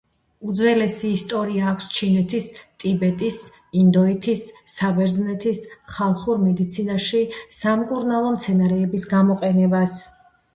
უძველესი ისტორია აქვს ჩინეთის, ტიბეტის, ინდოეთის, საბერძნეთის ხალხურ მედიცინაში სამკურნალო მცენარეების გამოყენებას.